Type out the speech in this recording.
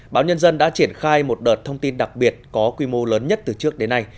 báo nhân dân đã triển khai một đợt thông tin đặc biệt có quy mô lớn nhất từ trước đến nay